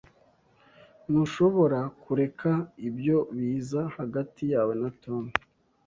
Ntushobora kureka ibyo biza hagati yawe na Tom.